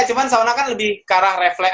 cuma sauna kan lebih karah refleks